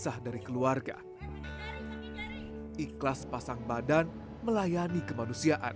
seharian mereka ikut berlari mereka berlai persil contribute part moisturizing bagi ini laskar